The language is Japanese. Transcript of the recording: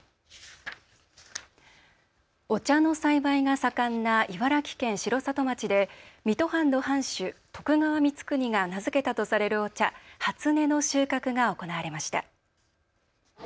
お茶の栽培が盛んな茨城県城里町で水戸藩の藩主・徳川光圀が名付けたとされるお茶、初音の収穫が行われました。